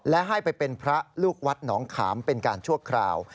และให้ไปเป็นพระลูกวัดหนองขามเป็นการชั่วคราว